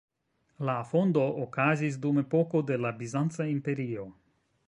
La fondo okazis dum epoko de la Bizanca Imperio.